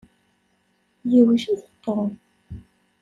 Yewjed Tom.